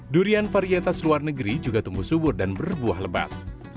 durian varietas luar negeri juga tumbuh subur dan berbuah lebat